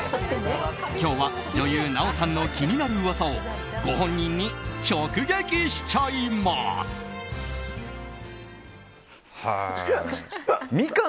今日は女優・奈緒さんの気になる噂をご本人に直撃しちゃいます。